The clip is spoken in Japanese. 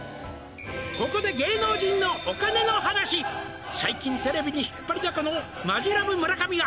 「ここで芸能人のお金の話」「最近テレビに引っ張りだこのマヂラブ村上が」